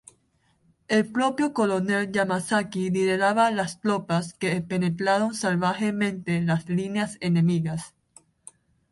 El propio coronel Yamasaki lideraba las tropas que penetraron salvajemente las líneas enemigas.